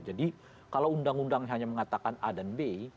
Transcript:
jadi kalau undang undang hanya mengatakan a dan b